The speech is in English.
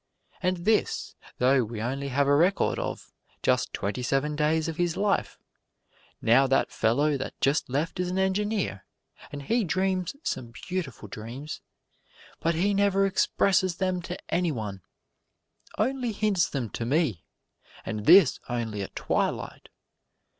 And this though we only have a record of just twenty seven days of His life. Now that fellow that just left is an engineer, and he dreams some beautiful dreams; but he never expresses them to any one only hints them to me, and this only at twilight.